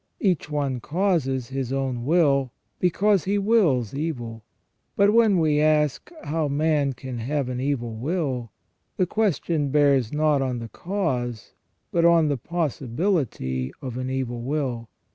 Each one causes his own evil, because he wills evil. But when we ask how man can have an evil will, the ques tion bears not on the cause but on the possibility of an evil will.